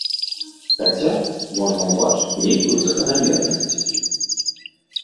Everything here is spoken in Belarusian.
Хаця можна ўбачыць нейкую заканамернасць.